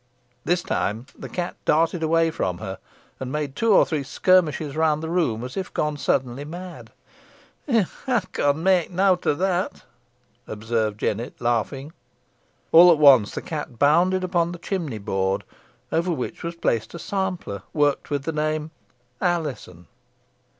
This time the cat darted away from her, and made two or three skirmishes round the room, as if gone suddenly mad. "Ey con may nowt o' that," observed Jennet, laughing. All at once the cat bounded upon the chimney board, over which was placed a sampler, worked with the name "ALIZON."